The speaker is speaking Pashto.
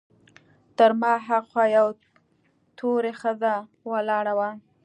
تر ما هاخوا یوه تورۍ ښځه ولاړه وه.